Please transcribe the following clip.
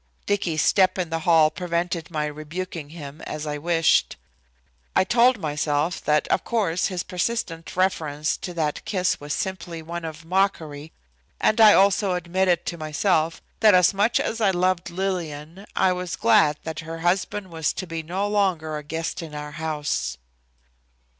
Dicky's step in the hall prevented my rebuking him as I wished. I told myself that, of course, his persistent reference to that kiss was simply one of mockery and I also admitted to myself that as much as I loved Lillian I was glad that her husband was to be no longer a guest in our house.